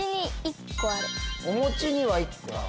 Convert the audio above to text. おもちには１個ある。